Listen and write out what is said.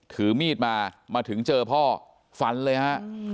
ถือมีดมามาถึงเจอพ่อฟันเลยฮะ